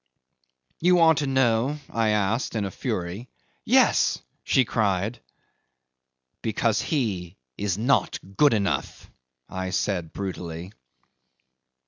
"You want to know?" I asked in a fury. "Yes!" she cried. "Because he is not good enough," I said brutally.